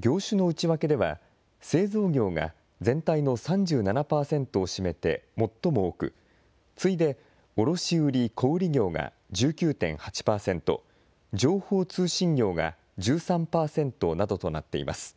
業種の内訳では、製造業が全体の３７％を占めて最も多く、次いで卸売・小売業が１９．８％、情報通信業が１３％などとなっています。